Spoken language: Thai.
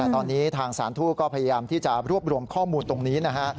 ตอนนี้ทางสารทูตก็พยายามที่จะรวบรวมข้อมูลตรงนี้นะฮะ